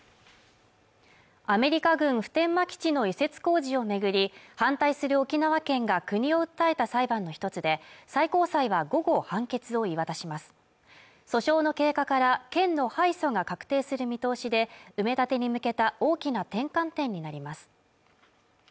アメリカ軍普天間基地の移設工事を巡り反対する沖縄県が国を訴えた裁判の一つで最高裁は午後判決を言い渡します訴訟の経過から県の敗訴が確定する見通しで埋め立てに向けた大きな転換点になります